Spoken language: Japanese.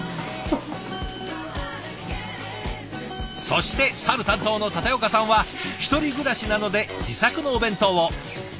そしてサル担当の舘岡さんは１人暮らしなので自作のお弁当を。